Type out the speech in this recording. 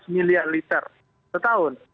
enam belas miliar liter setahun